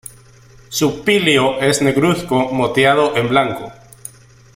Su píleo es negruzco moteado en blanco.